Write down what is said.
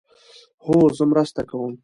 هو، زه مرسته کوم